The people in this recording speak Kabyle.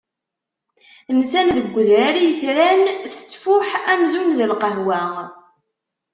Nsan deg udrar i yetran, tettfuḥ amzun d lqahwa.